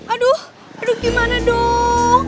aduh aduh gimana dong